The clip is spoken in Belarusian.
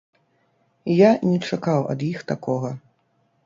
Я не чакаў ад іх такога.